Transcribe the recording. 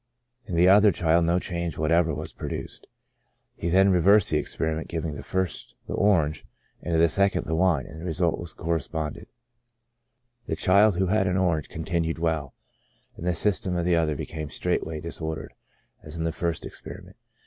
In the other child no change whatever was produced. He then reversed the experiment, giving the first the orange, and to the second the wine, and the result corresponded ; the child who had an orange continued well, and the system of the other became straightway disordered, as in the first experi ment.